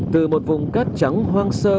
từ một vùng cát trắng hoang sáng